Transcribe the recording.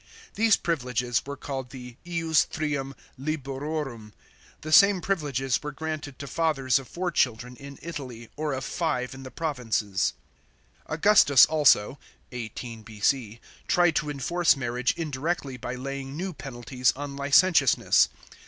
These privileges were called the ius trium Uberorum. The same privileges were granted to fathers of four children in Italy, or of five in the provinces. Augustus also (18 B.C.) tried to enforce marriage indirectly by laying new penalties on licentiousness.